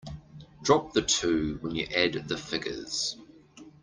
Drop the two when you add the figures.